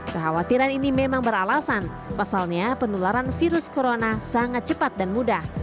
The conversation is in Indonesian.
kekhawatiran ini memang beralasan pasalnya penularan virus corona sangat cepat dan mudah